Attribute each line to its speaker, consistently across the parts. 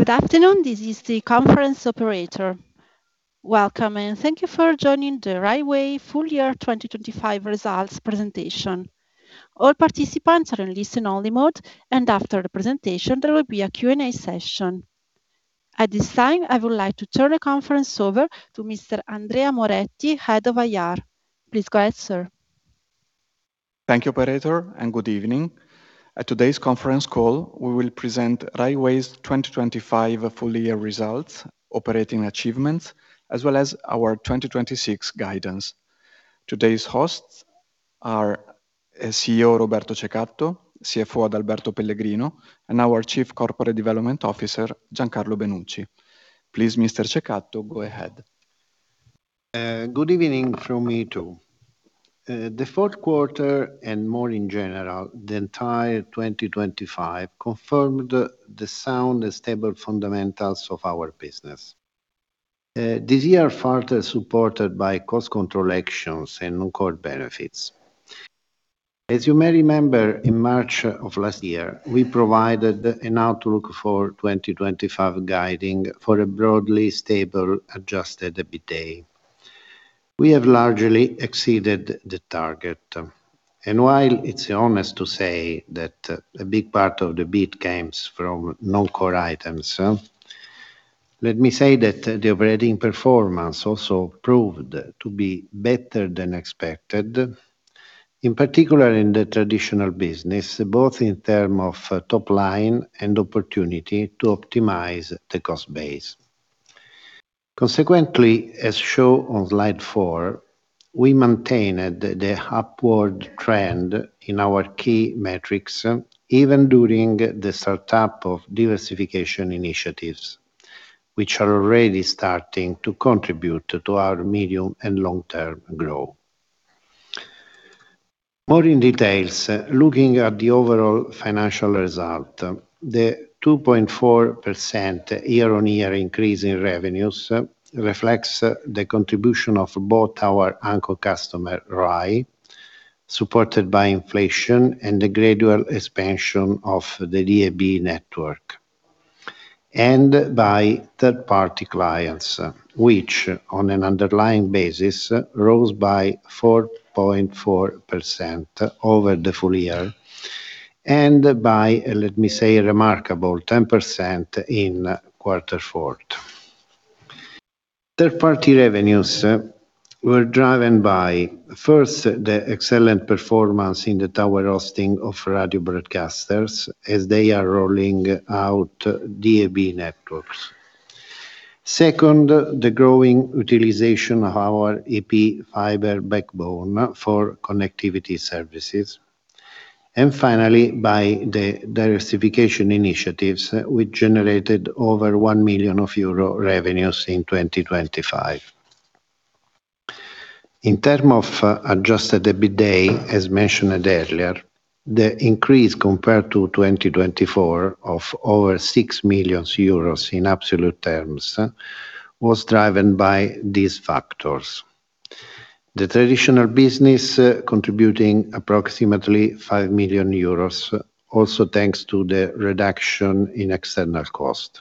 Speaker 1: Good afternoon. This is the conference operator. Welcome, and thank you for joining the Rai Way Full Year 2025 results presentation. All participants are in listen only mode, and after the presentation, there will be a Q&A session. At this time, I would like to turn the conference over to Mr. Andrea Moretti, Head of IR. Please go ahead, sir.
Speaker 2: Thank you, operator, and good evening. At today's conference call, we will present Rai Way's 2025 full year results, operating achievements, as well as our 2026 guidance. Today's hosts are CEO Roberto Cecatto, CFO Adalberto Pellegrino, and our Chief Corporate Development Officer, Giancarlo Benucci. Please, Mr. Cecatto, go ahead.
Speaker 3: Good evening from me too. The fourth quarter and, more in general, the entire 2025 confirmed the sound and stable fundamentals of our business, further supported by cost control actions and non-core benefits. As you may remember, in March of last year, we provided an outlook for 2025 guiding for a broadly stable adjusted EBITDA. We have largely exceeded the target. While it's honest to say that a big part of the beat comes from non-core items, let me say that the operating performance also proved to be better than expected, in particular in the traditional business, both in terms of top line and opportunity to optimize the cost base. Consequently, as shown on slide four, we maintained the upward trend in our key metrics, even during the startup of diversification initiatives, which are already starting to contribute to our medium and long-term growth. In more detail, looking at the overall financial result, the 2.4% year-on-year increase in revenues reflects the contribution of both our anchor customer, Rai, supported by inflation and the gradual expansion of the DAB network, and by third-party clients, which, on an underlying basis, rose by 4.4% over the full year and by, let me say, remarkable 10% in quarter four. Third-party revenues were driven by, first, the excellent performance in the tower hosting of radio broadcasters as they are rolling out DAB networks. Second, the growing utilization of our IP fiber backbone for connectivity services. Finally, by the diversification initiatives which generated over 1 million of euro revenues in 2025. In terms of adjusted EBITDA, as mentioned earlier, the increase compared to 2024 of over 6 million euros in absolute terms was driven by these factors. The traditional business contributing approximately 5 million euros, also thanks to the reduction in external cost.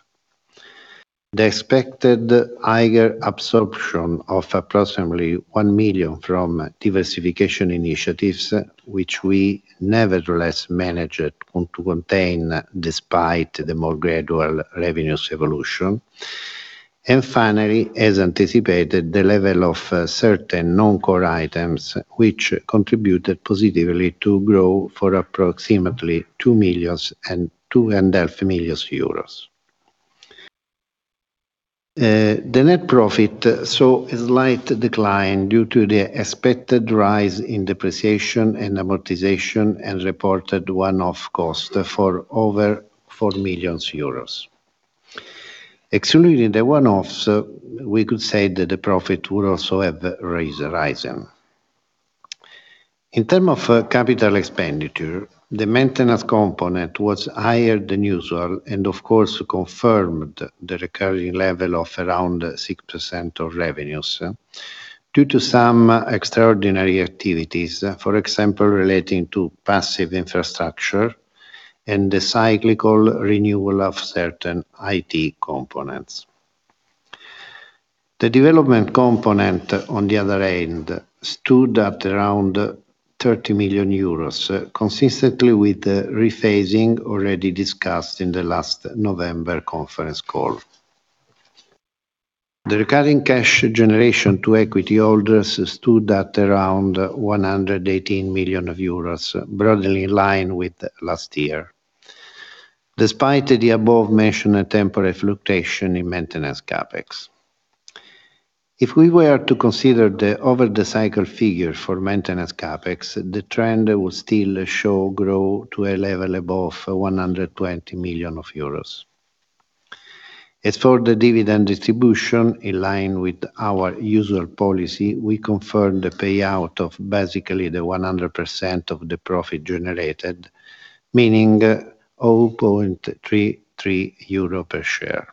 Speaker 3: The expected higher absorption of approximately 1 million from diversification initiatives, which we nevertheless managed to contain despite the more gradual revenues evolution. Finally, as anticipated, the level of certain non-core items which contributed positively to grow for approximately 2 million and 2.5 million euros. The net profit saw a slight decline due to the expected rise in depreciation and amortization and reported one-off cost for over 4 million euros. Excluding the one-offs, we could say that the profit would also have risen. In terms of capital expenditure, the maintenance component was higher than usual and of course confirmed the recurring level of around 6% of revenues due to some extraordinary activities, for example, relating to passive infrastructure and the cyclical renewal of certain IT components. The development component, on the other hand, stood at around 30 million euros, consistently with the rephasing already discussed in the last November conference call. The recurring cash generation to equity holders stood at around 118 million euros, broadly in line with last year, despite the above-mentioned temporary fluctuation in maintenance CapEx. If we were to consider the over the cycle figure for maintenance CapEx, the trend would still show growth to a level above 120 million euros. As for the dividend distribution, in line with our usual policy, we confirmed the payout of basically 100% of the profit generated, meaning 0.33 euro per share.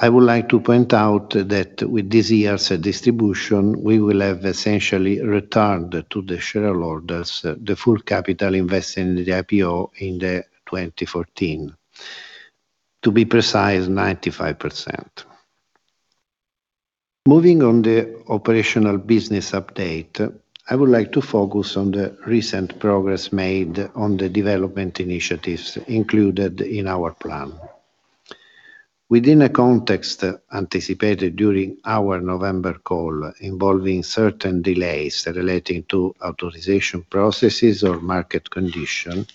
Speaker 3: I would like to point out that with this year's distribution, we will have essentially returned to the shareholders the full capital invested in the IPO in 2014. To be precise, 95%. Moving on to the operational business update, I would like to focus on the recent progress made on the development initiatives included in our plan. Within a context anticipated during our November call involving certain delays relating to authorization processes or market conditions,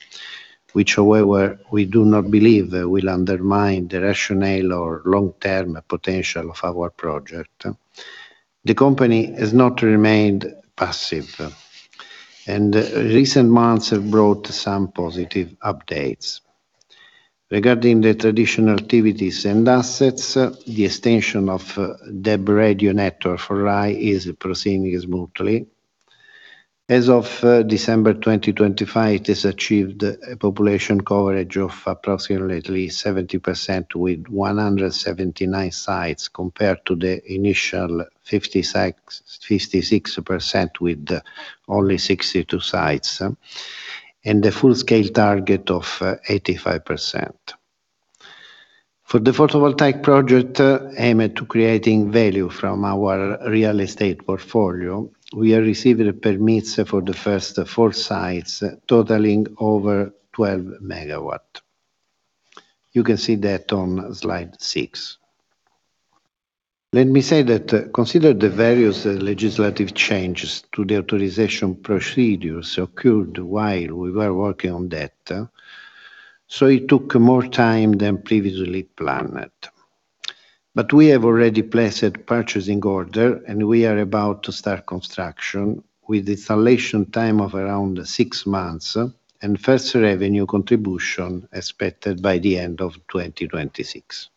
Speaker 3: which however, we do not believe will undermine the rationale or long-term potential of our project. The company has not remained passive, and recent months have brought some positive updates. Regarding the traditional activities and assets, the extension of DAB radio network for RAI is proceeding smoothly. As of December 2025, it has achieved a population coverage of approximately 70% with 179 sites compared to the initial 56% with only 62 sites, and a full-scale target of 85%. For the photovoltaic project aimed to creating value from our real estate portfolio, we are receiving permits for the first four sites totaling over 12 MW. You can see that on slide six. Let me say that considering the various legislative changes to the authorization procedures occurred while we were working on that, so it took more time than previously planned. We have already placed purchase order, and we are about to start construction with installation time of around six months and first revenue contribution expected by the end of 2026.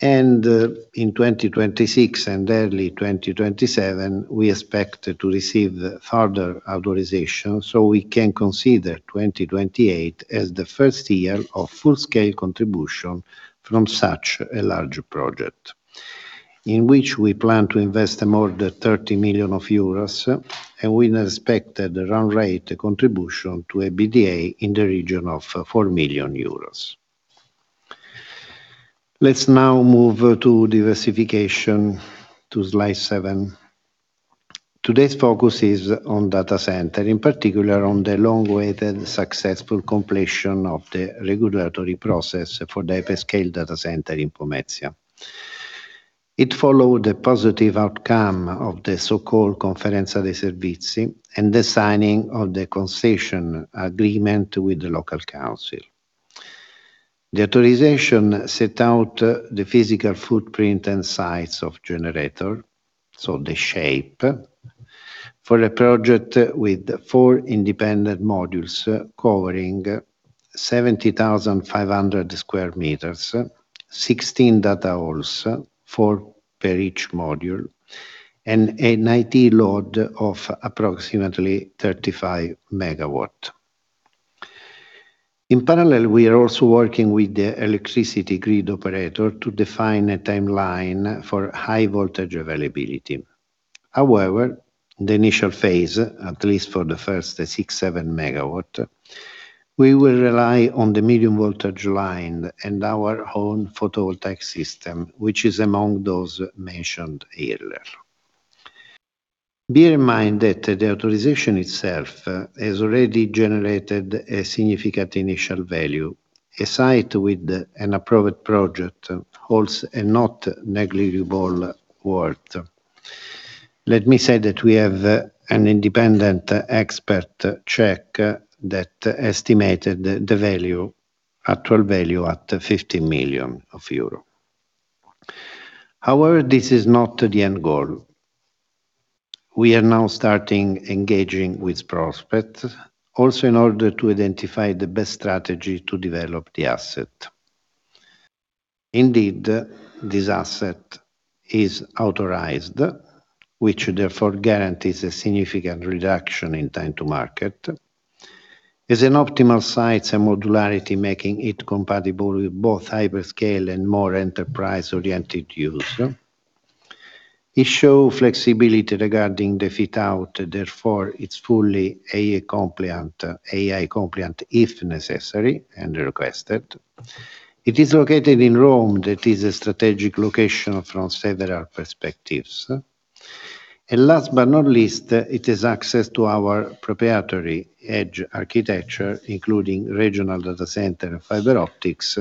Speaker 3: In 2026 and early 2027, we expect to receive further authorization, so we can consider 2028 as the first year of full-scale contribution from such a large project, in which we plan to invest more than 30 million euros, and we expect the run rate contribution to a EBITDA in the region of 4 million euros. Let's now move to diversification to slide 7. Today's focus is on data center, in particular on the long-awaited successful completion of the regulatory process for the hyperscale data center in Pomezia. It followed the positive outcome of the so-called conferenza di servizi and the signing of the concession agreement with the local council. The authorization set out the physical footprint and size of generator, so the shape, for a project with four independent modules covering 70,500 sq m, 16 data halls, four per each module, and an IT load of approximately 35 MW. In parallel, we are also working with the electricity grid operator to define a timeline for high voltage availability. However, the initial phase, at least for the first six-seven MW, we will rely on the medium voltage line and our own photovoltaic system, which is among those mentioned earlier. Bear in mind that the authorization itself has already generated a significant initial value. A site with an approved project holds a not negligible worth. Let me say that we have an independent expert check that estimated the value, actual value at 50 million euro. However, this is not the end goal. We are now starting to engage with prospects also in order to identify the best strategy to develop the asset. Indeed, this asset is authorized, which therefore guarantees a significant reduction in time to market. With optimal sites and modularity making it compatible with both hyperscale and more enterprise-oriented use. It shows flexibility regarding the fit-out. Therefore, it's fully AI-compliant if necessary and requested. It is located in Rome. That is a strategic location from several perspectives. Last but not least, it has access to our proprietary edge architecture, including regional data center and fiber optics,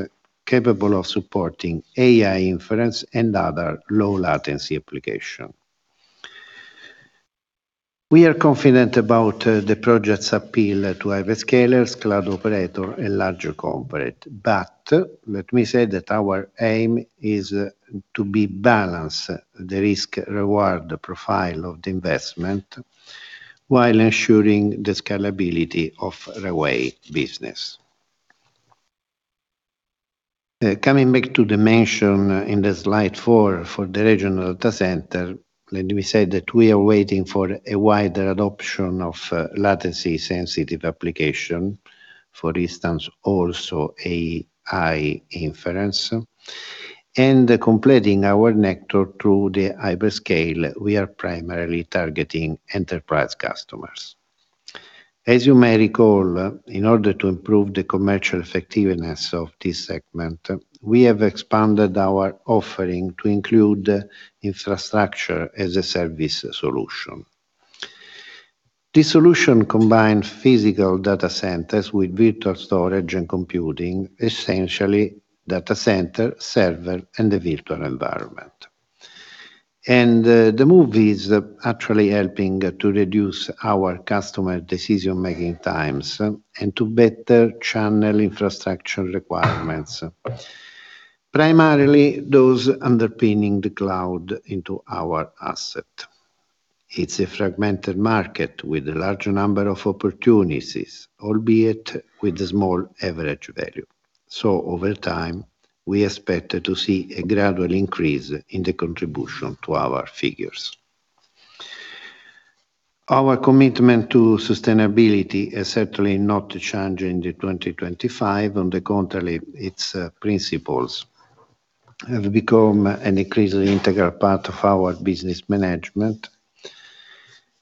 Speaker 3: capable of supporting AI inference and other low-latency applications. We are confident about the project's appeal to hyperscalers, cloud operators, and larger corporates. Let me say that our aim is to balance the risk-reward profile of the investment while ensuring the scalability of the RAI business. Coming back to the mention in the Slide 4 for the regional data center, let me say that we are waiting for a wider adoption of latency-sensitive application. For instance, also AI inference. And completing our network through the hyperscale, we are primarily targeting enterprise customers. As you may recall, in order to improve the commercial effectiveness of this segment, we have expanded our offering to include Infrastructure as a Service solution. This solution combines physical data centers with virtual storage and computing, essentially data center, server, and the virtual environment. The move is actually helping to reduce our customer decision-making times and to better channel infrastructure requirements, primarily those underpinning the cloud into our asset. It's a fragmented market with a large number of opportunities, albeit with a small average value. Over time, we expect to see a gradual increase in the contribution to our figures. Our commitment to sustainability is certainly not changing in 2025. On the contrary, its principles have become an increasingly integral part of our business management.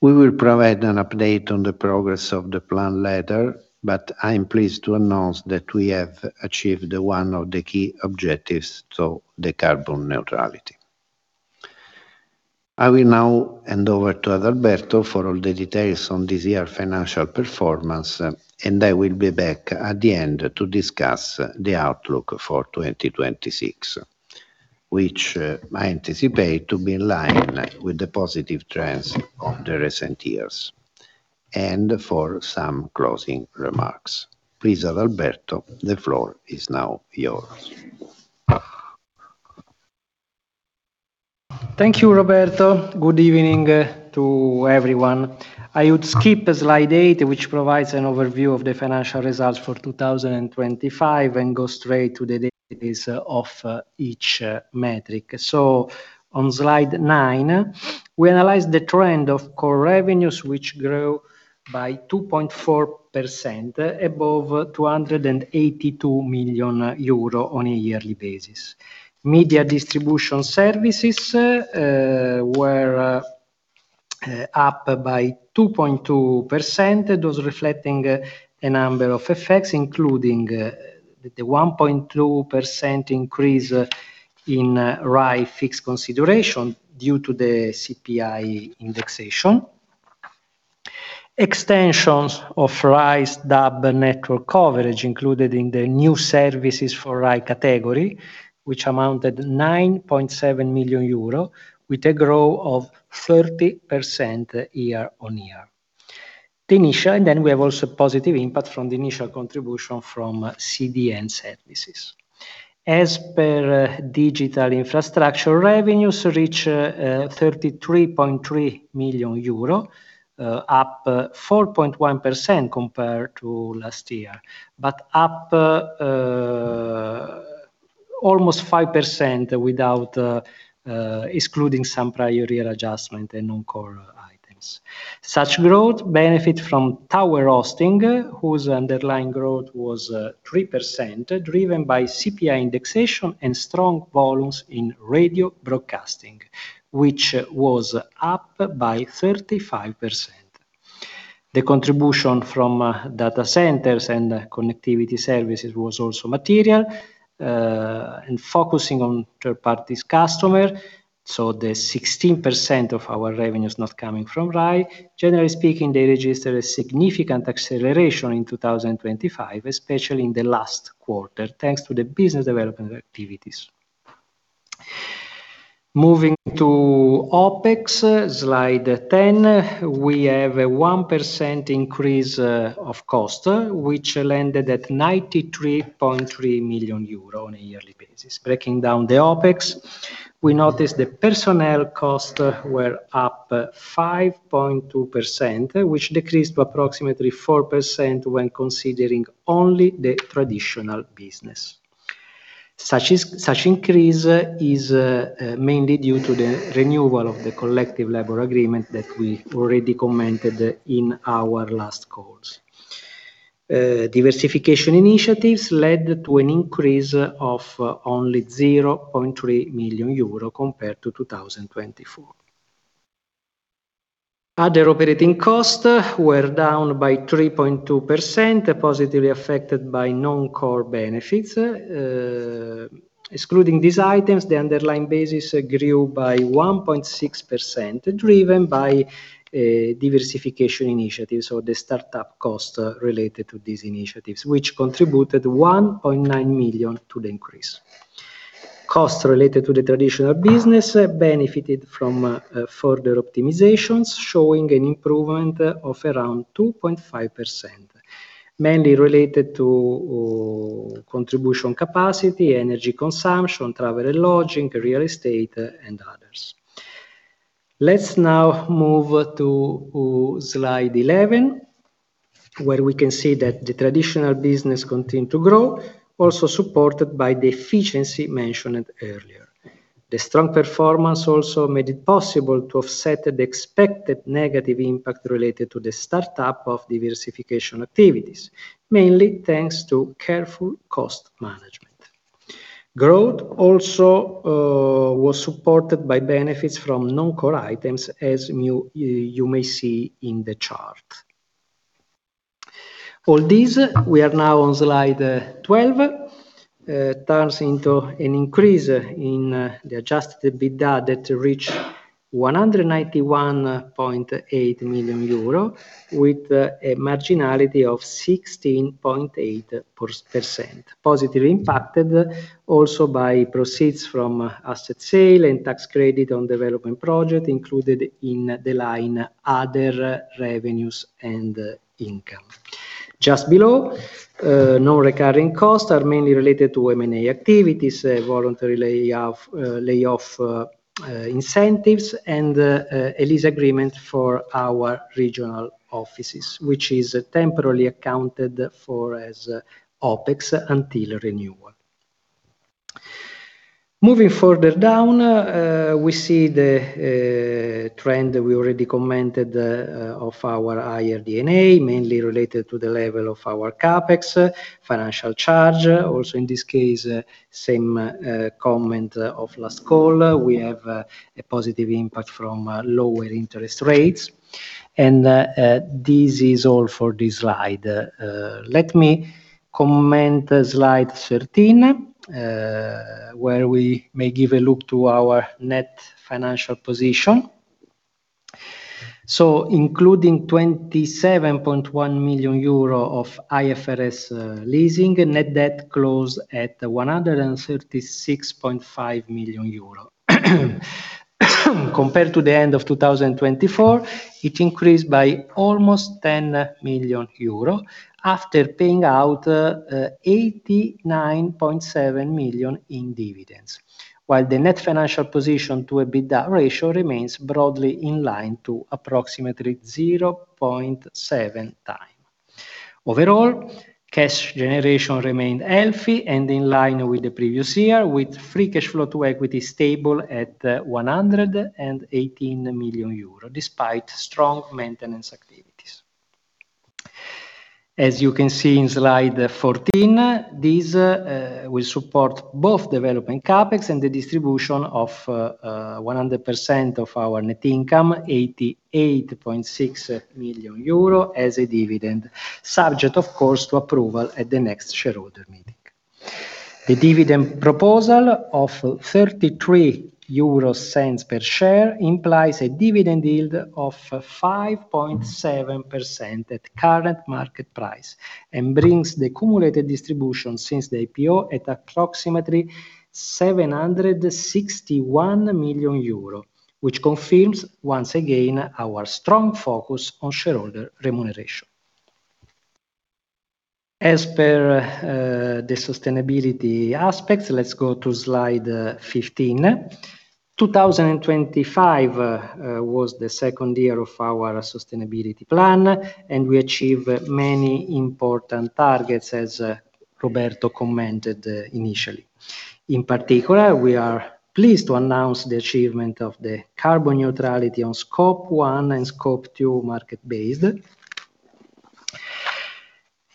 Speaker 3: We will provide an update on the progress of the plan later, but I am pleased to announce that we have achieved one of the key objectives, so the carbon neutrality. I will now hand over to Adalberto for all the details on this year financial performance, and I will be back at the end to discuss the outlook for 2026, which, I anticipate to be in line with the positive trends of the recent years, and for some closing remarks. Please, Adalberto, the floor is now yours.
Speaker 4: Thank you, Roberto Cecatto. Good evening to everyone. I would skip slide eight, which provides an overview of the financial results for 2025, and go straight to the details of each metric. On slide nine, we analyze the trend of core revenues, which grew by 2.4% above 282 million euro on a yearly basis. Media distribution services were up by 2.2%. Those reflecting a number of effects, including the 1.2% increase in RAI fixed consideration due to the CPI indexation. Extensions of RAI's DAB network coverage included in the new services for RAI category, which amounted 9.7 million euro with a growth of 30% year-on-year. We have also positive impact from the initial contribution from CDN services. As per digital infrastructure revenues reach 33.3 million EUR, up 4.1% compared to last year, but up almost 5% excluding some prior year adjustment and non-core items. Such growth benefited from tower hosting, whose underlying growth was 3%, driven by CPI indexation and strong volumes in radio broadcasting, which was up by 35%. The contribution from data centers and connectivity services was also material, and focusing on third-party customers. The 16% of our revenues not coming from RAI. Generally speaking, they registered a significant acceleration in 2025, especially in the last quarter, thanks to the business development activities. Moving to OpEx, slide 10. We have a 1% increase of costs, which landed at 93.3 million euro on a yearly basis. Breaking down the OpEx, we notice the personnel costs were up 5.2%, which decreased to approximately 4% when considering only the traditional business. Such increase is mainly due to the renewal of the collective labor agreement that we already commented in our last calls. Diversification initiatives led to an increase of only 0.3 million euro compared to 2024. Other operating costs were down by 3.2%, positively affected by non-core benefits. Excluding these items, the underlying basis grew by 1.6%, driven by diversification initiatives or the startup costs related to these initiatives, which contributed 1.9 million to the increase. Costs related to the traditional business benefited from further optimizations, showing an improvement of around 2.5%, mainly related to contribution capacity, energy consumption, travel and lodging, real estate and others. Let's now move to slide 11, where we can see that the traditional business continued to grow, also supported by the efficiency mentioned earlier. The strong performance also made it possible to offset the expected negative impact related to the startup of diversification activities, mainly thanks to careful cost management. Growth also was supported by benefits from non-core items as you may see in the chart. All these, we are now on slide 12, turns into an increase in the adjusted EBITDA that reaches 191.8 million euro, with a marginality of 16.8%, positively impacted also by proceeds from asset sale and tax credit on development project included in the line, other revenues and income. Just below, non-recurring costs are mainly related to M&A activities, voluntary layoff incentives and a lease agreement for our regional offices, which is temporarily accounted for as CapEx until renewal. Moving further down, we see the trend we already commented of our higher D&A, mainly related to the level of our CapEx, financial charges. Also, in this case, same comment of last call. We have a positive impact from lower interest rates, and this is all for this slide. Let me comment slide 13, where we may give a look to our net financial position. Including 27.1 million euro of IFRS leasing, net debt closed at 136.5 million euro. Compared to the end of 2024, it increased by almost 10 million euro after paying out 89.7 million in dividends. While the net financial position to EBITDA ratio remains broadly in line to approximately 0.7x. Overall, cash generation remained healthy and in line with the previous year, with free cash flow to equity stable at 118 million euro, despite strong maintenance activities. As you can see in slide 14, these will support both development CapEx and the distribution of 100% of our net income, 88.6 million euro as a dividend, subject, of course, to approval at the next shareholder meeting. The dividend proposal of 0.33 EUR per share implies a dividend yield of 5.7% at current market price and brings the accumulated distribution since the IPO at approximately 761 million euro, which confirms once again our strong focus on shareholder remuneration. As per the sustainability aspects, let's go to slide 15. 2025 was the second year of our sustainability plan, and we achieved many important targets, as Roberto commented initially. In particular, we are pleased to announce the achievement of the carbon neutrality on Scope one and Scope two market based.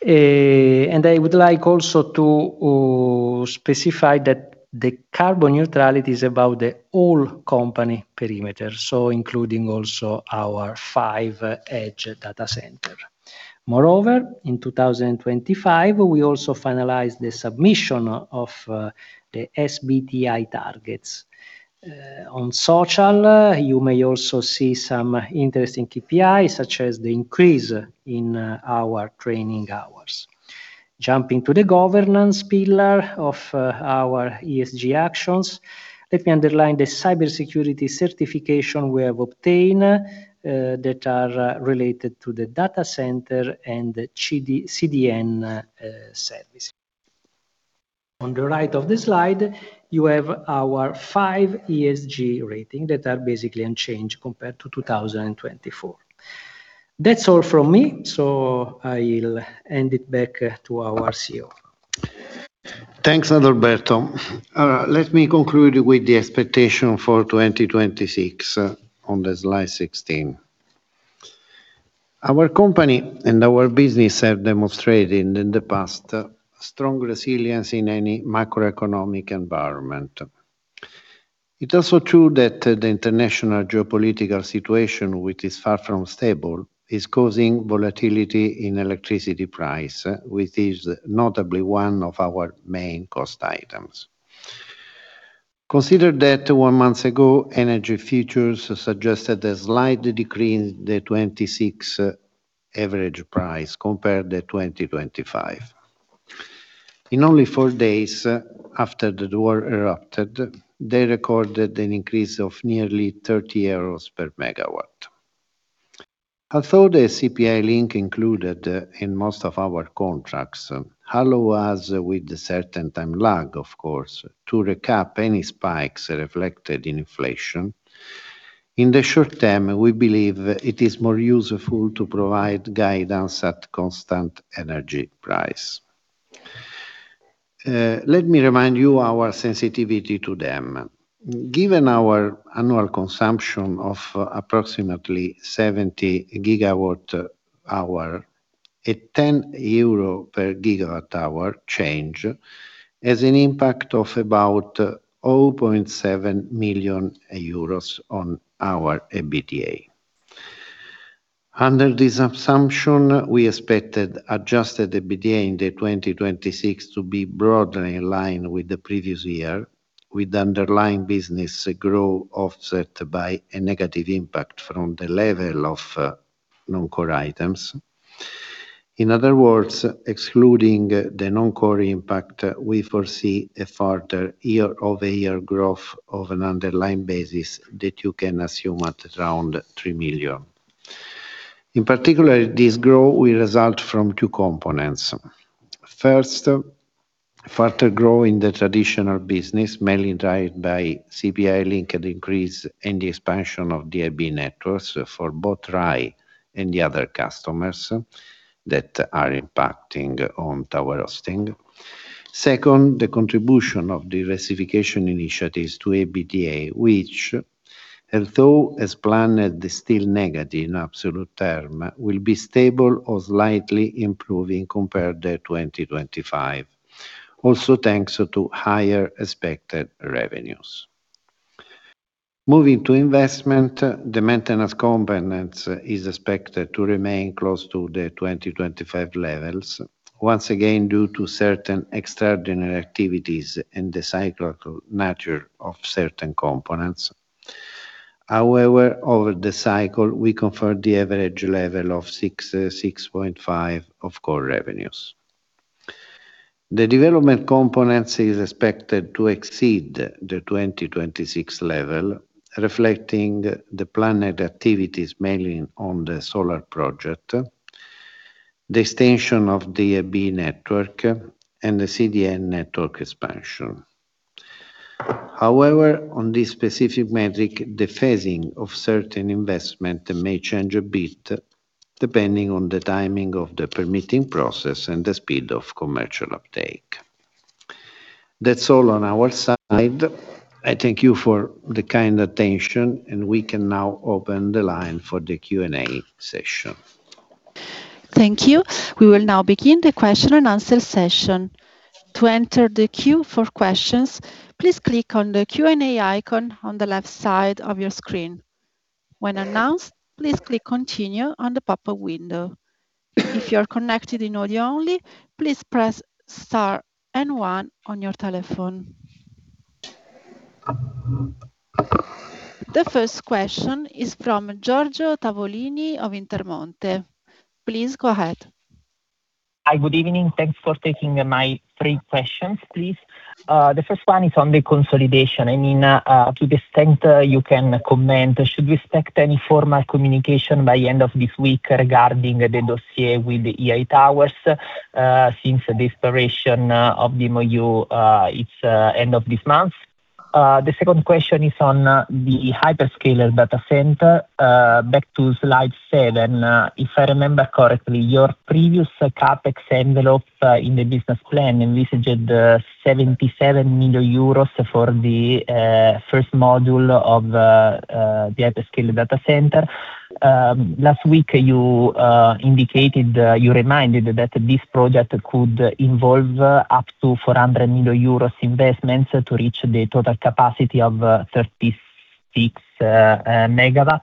Speaker 4: I would like also to specify that the carbon neutrality is about the whole company perimeter, so including also our five edge data center. Moreover, in 2025, we also finalized the submission of the SBTi targets. On social, you may also see some interesting KPIs, such as the increase in our training hours. Jumping to the governance pillar of our ESG actions, let me underline the cybersecurity certification we have obtained that are related to the data center and the CDN service. On the right of this slide, you have our five ESG rating that are basically unchanged compared to 2024. That's all from me, so I'll hand it back to our CEO.
Speaker 3: Thanks, Adalberto. Let me conclude with the expectation for 2026 on the slide 16. Our company and our business have demonstrated in the past strong resilience in any macroeconomic environment. It's also true that the international geopolitical situation, which is far from stable, is causing volatility in electricity price, which is notably one of our main cost items. Consider that one month ago, energy futures suggested a slight decrease in the 2026 average price compared to 2025. In only four days after the war erupted, they recorded an increase of nearly 30 euros per MW. Although the CPI link included in most of our contracts allow us, with a certain time lag, of course, to recover any spikes reflected in inflation, in the short term, we believe it is more useful to provide guidance at constant energy price. Let me remind you our sensitivity to them. Given our annual consumption of approximately 70 GWh, a EUR 10 per GWh change has an impact of about 0.7 million euros on our EBITDA. Under this assumption, we expected adjusted EBITDA in 2026 to be broadly in line with the previous year, with underlying business growth offset by a negative impact from the level of non-core items. In other words, excluding the non-core impact, we foresee a further year-over-year growth of an underlying basis that you can assume at around 3 million. In particular, this growth will result from two components. First, further growth in the traditional business, mainly driven by CPI-linked increase and the expansion of the DAB networks for both RAI and the other customers that are impacting on tower hosting. Second, the contribution of the diversification initiatives to EBITDA, which although as planned is still negative in absolute term, will be stable or slightly improving compared to 2025, also thanks to higher expected revenues. Moving to investment, the maintenance components is expected to remain close to the 2025 levels, once again due to certain extraordinary activities and the cyclical nature of certain components. However, over the cycle, we confirmed the average level of 6-6.5% of core revenues. The development components is expected to exceed the 2026 level, reflecting the planned activities mainly on the solar project, the extension of the DAB network, and the CDN network expansion. However, on this specific metric, the phasing of certain investment may change a bit depending on the timing of the permitting process and the speed of commercial uptake. That's all on our side. I thank you for the kind attention, and we can now open the line for the Q&A session.
Speaker 1: Thank you. We will now begin the question and answer session. To enter the queue for questions, please click on the Q&A icon on the left side of your screen. When announced, please click Continue on the pop-up window. If you are connected in audio only, please press star and one on your telephone. The first question is from Giorgio Tavolini of Intermonte. Please go ahead.
Speaker 5: Hi, good evening. Thanks for taking my three questions, please. The first one is on the consolidation. I mean, to the extent you can comment, should we expect any formal communication by end of this week regarding the dossier with the EI Towers, since the expiration of the MoU, it's end of this month? The second question is on the hyperscale data center. Back to slide 7, if I remember correctly, your previous CapEx envelope in the business plan envisaged 77 million euros for the first module of the hyperscale data center. Last week you indicated, you reminded that this project could involve up to 400 million euros investments to reach the total capacity of 36 MW.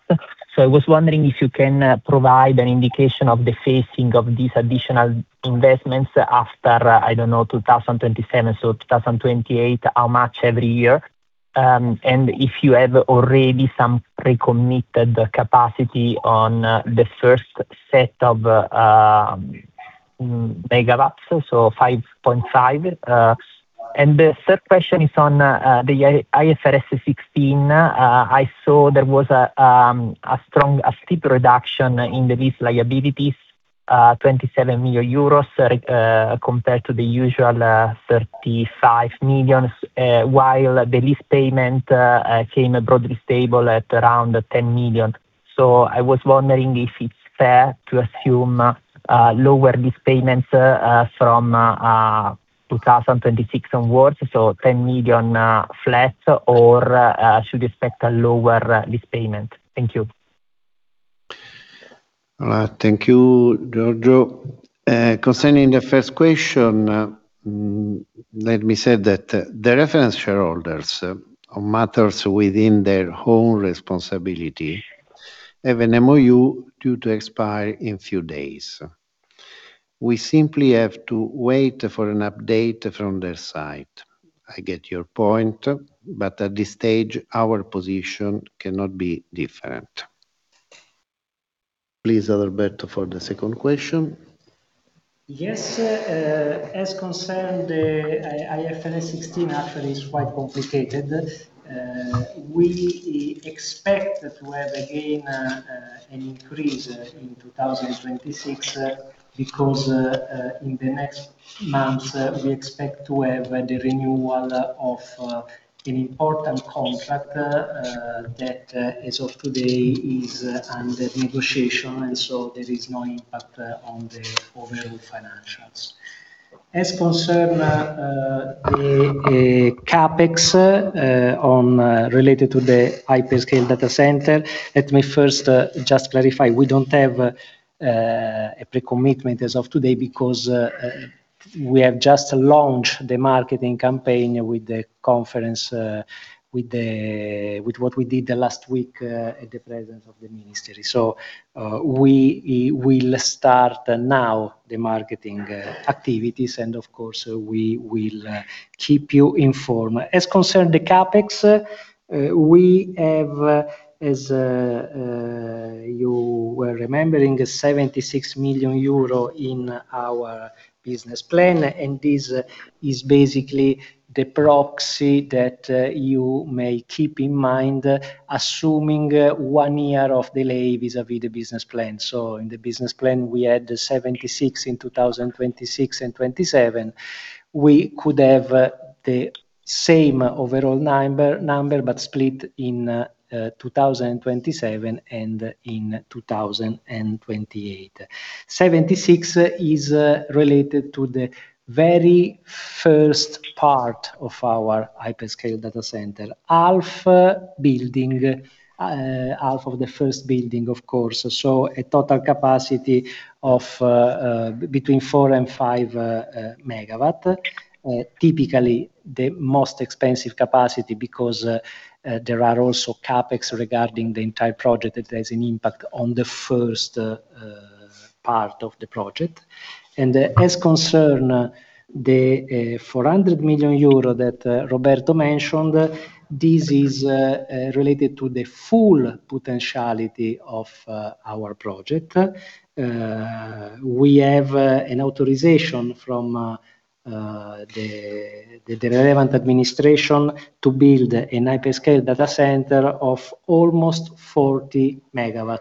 Speaker 5: I was wondering if you can provide an indication of the phasing of these additional investments after, I don't know, 2027, so 2028, how much every year. And if you have already some pre-committed capacity on the first set of 5.5 MW. And the third question is on the IFRS 16. I saw there was a steep reduction in the lease liabilities, 27 million euros, compared to the usual 35 million, while the lease payment came broadly stable at around 10 million. I was wondering if it's fair to assume lower lease payments from 2026 onwards, so 10 million flat, or should we expect a lower lease payment? Thank you.
Speaker 3: Thank you, Giorgio. Concerning the first question, let me say that the reference shareholders on matters within their own responsibility have an MoU due to expire in few days. We simply have to wait for an update from their side. I get your point, but at this stage, our position cannot be different. Please, Alberto, for the second question.
Speaker 4: Yes. As concerns, the IFRS 16 actually is quite complicated. We expect to have, again, an increase in 2026, because in the next months, we expect to have the renewal of an important contract that as of today is under negotiation, and so there is no impact on the overall financials. As concerns the CapEx related to the hyperscale data center, let me first just clarify. We don't have a pre-commitment as of today because we have just launched the marketing campaign with what we did last week in the presence of the ministry. We will start now the marketing activities, and of course we will keep you informed. As concerns the CapEx, we have, as you were remembering, 76 million euro in our business plan, and this is basically the proxy that you may keep in mind, assuming one year of delay vis-à-vis the business plan. In the business plan, we had 76 in 2026 and 2027. We could have the same overall number but split in 2027 and 2028. 76 million is related to the very first part of our hyperscale data center, half building, half of the first building, of course. A total capacity of between four and five MW. Typically the most expensive capacity because there are also CapEx regarding the entire project that has an impact on the first part of the project. As concerns the 400 million euro that Roberto mentioned, this is related to the full potentiality of our project. We have an authorization from the relevant administration to build a hyperscale data center of almost 40 MW.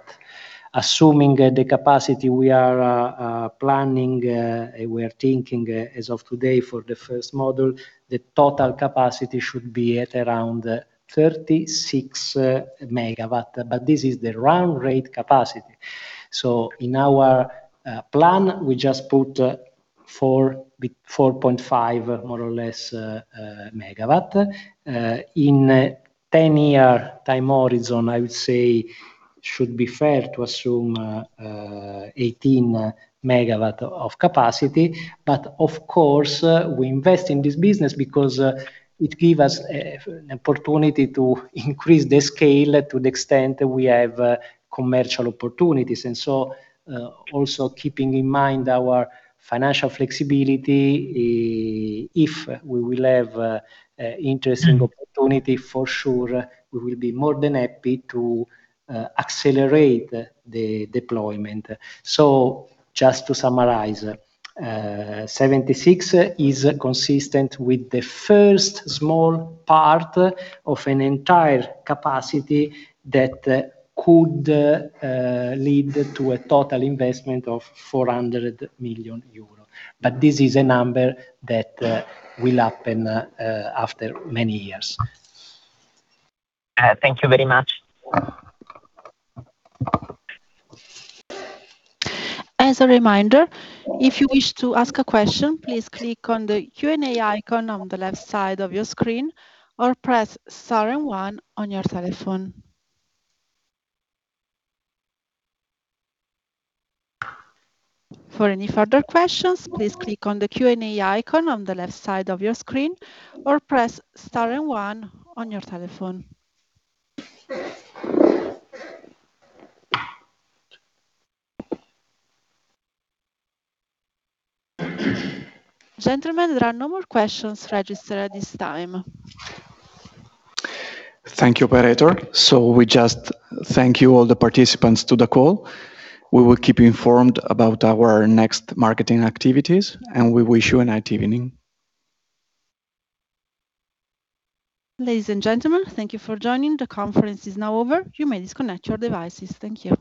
Speaker 4: Assuming the capacity we are planning, we are thinking as of today for the first model, the total capacity should be at around 36 MW, but this is the run rate capacity. In our plan, we just put 4.5 more or less MW. In a 10-year time horizon, I would say it should be fair to assume 18 MW of capacity. Of course, we invest in this business because it give us an opportunity to increase the scale to the extent we have commercial opportunities. Also keeping in mind our financial flexibility, if we will have an interesting opportunity, for sure, we will be more than happy to accelerate the deployment. Just to summarize, 76 is consistent with the first small part of an entire capacity that could lead to a total investment of 400 million euro. This is a number that will happen after many years.
Speaker 5: Thank you very much.
Speaker 1: As a reminder, if you wish to ask a question, please click on the Q&A icon on the left side of your screen or press star and one on your telephone. For any further questions, please click on the Q&A icon on the left side of your screen or press star and one on your telephone. Gentlemen, there are no more questions registered at this time.
Speaker 2: Thank you, operator. We just thank you all the participants to the call. We will keep you informed about our next marketing activities, and we wish you a nice evening.
Speaker 1: Ladies and gentlemen, thank you for joining. The conference is now over. You may disconnect your devices. Thank you.